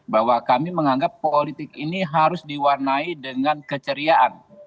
bahwa kami menganggap politik ini harus diwarnai dengan keceriaan